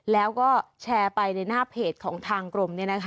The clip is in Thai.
แล้วก็แชร์ไปในหน้าเพจของทางกรม